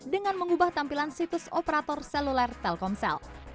dengan mengubah tampilan situs operator seluler telkomsel